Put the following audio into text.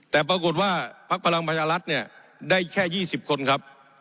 แต่ปรากฏว่าพักพลังประชารัฐเนี่ยได้แค่๒๐คนครับ